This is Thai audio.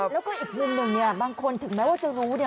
แล้วก็อีกหนึ่งบางคนถึงแม้ว่าจะรู้เนี่ย